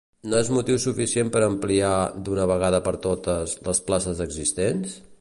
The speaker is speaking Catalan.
No és motiu suficient per ampliar, d’una vegada per totes, les places existents?